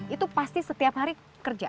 itu pasti setiap hari kerja